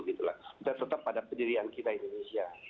kita tetap pada pendirian kita indonesia